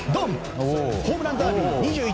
ホームランダービー２１